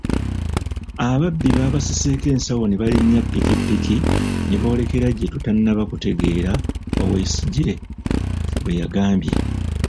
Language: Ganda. “Ababbi babasiseeko ensawo ne balinnye pikipiki ne boolekera gye tutannaba kutegeera,” Oweyesigire bwe yagambye.